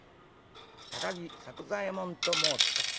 「高木作久左右衛門と申すか。